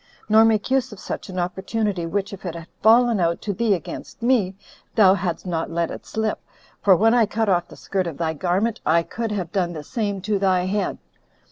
nor make use of such an opportunity, which, if it had fallen out to thee against me, thou hadst not let it slip, for when I cut off the skirt of thy garment, I could have done the same to thy head."